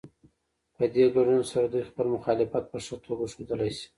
په دې ګډون سره دوی خپل مخالفت په ښه توګه ښودلی شي.